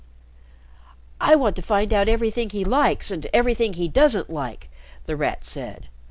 "I want to find out everything he likes and everything he doesn't like," The Rat said.